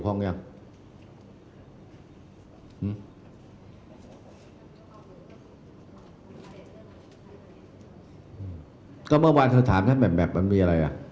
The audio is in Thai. ก็เมื่ออาจจะถามผู้หญิงแต่แบบแบบสมัยอ่ะมันมีอะไรอ่ะ